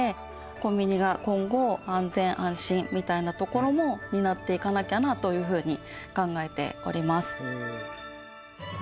コンビニが今後安全安心みたいなところも担っていかなきゃなというふうに考えております。